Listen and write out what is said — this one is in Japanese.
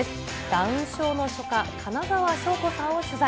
ダウン症の書家、金澤翔子さんを取材。